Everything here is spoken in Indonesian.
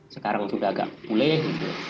sekarang juga agak mulai